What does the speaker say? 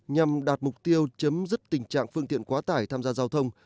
nhằm đạt mục tiêu chấm dứt tình trạng phương tiện quá tải tham gia giao thông